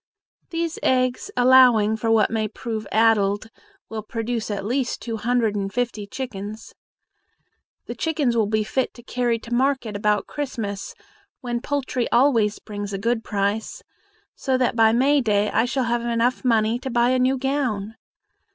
These eggs, allowing for what may prove addled, will produce at least two hundred and fifty chickens. The chickens will be fit to carry to market about Christmas, when poultry always brings a good price, so that by May day I shall have money enough to buy a new gown.